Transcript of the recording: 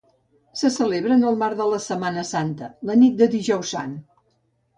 Se celebra en el marc de Setmana Santa, la nit del Dijous Sant.